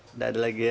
tidak ada lagi ya